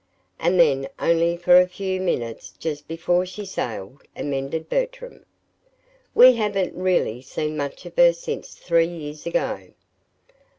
"And then only for a few minutes just before she sailed," amended Bertram. "We haven't really seen much of her since three years ago."